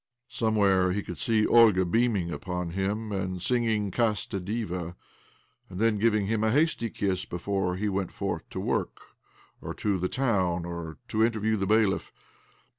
Somewhere he could see Olga beaming upon him, and singing Casta Diva, and then giving him a hasty kiss before he went forth to work, or to the town, or to interview the bailiff.